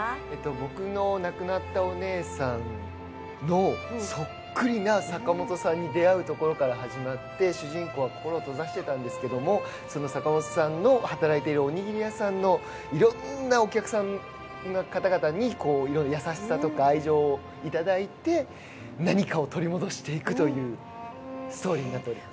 僕の亡くなったお姉さんのそっくりな坂本さんに出会うところから始まって、主人公は心を閉ざしていたんですけど、その坂本さんの働いているおにぎり屋さんのいろんなお客さんの方々に優しさとか愛情をいただいて、何かを取り戻していくというストーリーになっております。